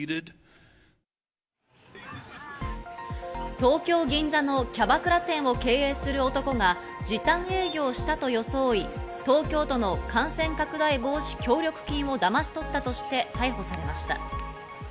東京・銀座のキャバクラ店を経営する男が時短営業したと装い、東京都の感染拡大防止協力金をだまし取ったとして逮捕されました。